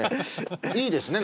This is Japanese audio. いいですね。